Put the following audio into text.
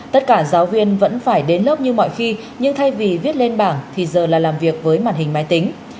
tất cả giáo viên vẫn phải đến lớp như mọi khi nhưng thay vì viết lên bảng thì giờ là làm việc với màn hình máy tính